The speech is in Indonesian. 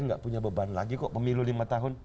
nggak punya beban lagi kok pemilu lima tahun